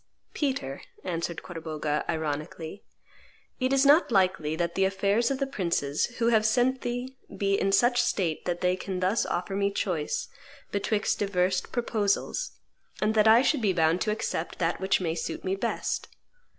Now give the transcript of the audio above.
"Peter," answered Corbogha ironically, "it is not likely that the affairs of the princes who have sent thee be in such state that they can thus offer me choice betwixt divers proposals, and that I should be bound to accept that which may suit me best.